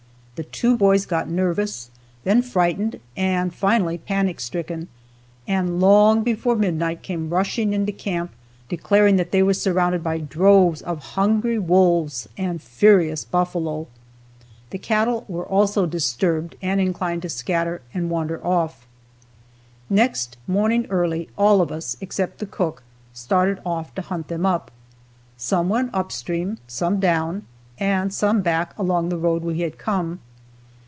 The two boys got nervous, then frightened and finally panic stricken, and long before midnight came rushing into camp declaring that they were surrounded by droves of hungry wolves and furious buffalo. The cattle were also disturbed and inclined to scatter and wander off. Next morning early, all of us, except the cook, started off to hunt them up. Some went up stream, some down, and some back along the road we had come.